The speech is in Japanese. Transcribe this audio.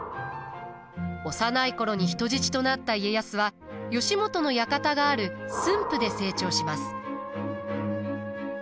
幼い頃に人質となった家康は義元の館がある駿府で成長します。